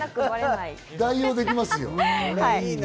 代用できますよ。